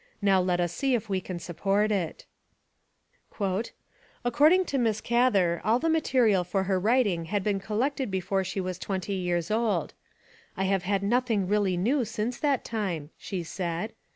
Now let us see if we can support it. "According to Miss Gather, all the material for her writing had been collected before she was 20 years old. 'I have had nothing really new since that time/ she said.